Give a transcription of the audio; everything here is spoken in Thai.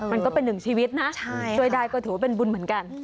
มันก็เป็น๑ชีวิตนะโดยดายก็ถือว่าเป็นบุญเหมือนกัน